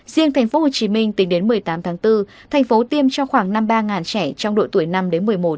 riêng tp hcm tính đến một mươi tám tháng bốn thành phố tiêm cho khoảng năm mươi ba trẻ trong độ tuổi năm đến một mươi một